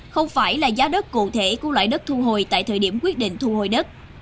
không phải là giá đất cụ thể của loại đất thu hồi tại thời điểm quyết định thu hồi đất